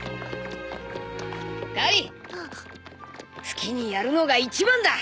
好きにやるのが一番だ。